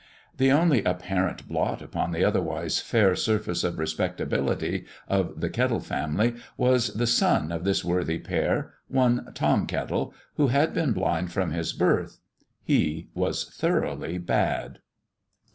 The only apparent blot upon the otherwise fair surface of respectability of the Kettle family was the son of this worthy pair, one Tom Kettle, who had been blind from his birth. He was thoroughly bad.